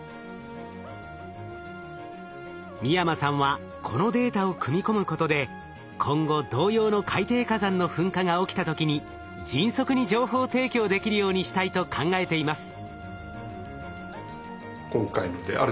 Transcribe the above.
美山さんはこのデータを組み込むことで今後同様の海底火山の噴火が起きた時に迅速に情報提供できるようにしたいと考えています。